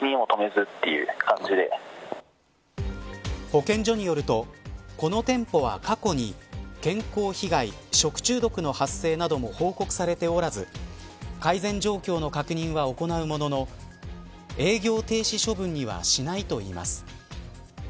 保健所によるとこの店舗は過去に健康被害、食中毒の発生なども報告されておらず改善状況の確認は行うものの営業停止処分にはしないといいます。